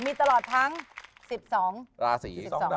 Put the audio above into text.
มีตลอดทั้งสิบสอง